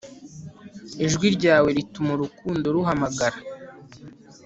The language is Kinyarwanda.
ijwi ryawe rituma urukundo ruhamagara